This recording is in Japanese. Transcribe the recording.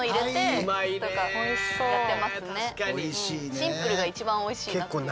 シンプルが一番おいしいなっていう。